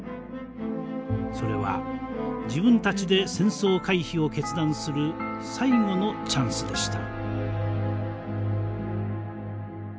それは自分たちで戦争回避を決断する最後のチャンスでした。